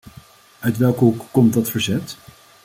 Uit welke hoek komt dat verzet?